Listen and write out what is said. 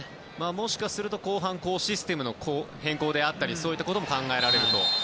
もしかすると後半システム変更だったりとそういうことも考えられると。